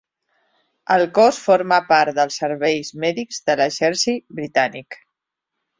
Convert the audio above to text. El cos forma part dels serveis mèdics de l'exèrcit britànic.